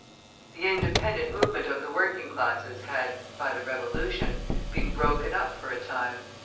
The independent movement of the working classes had, by the revolution, been broken up for a time.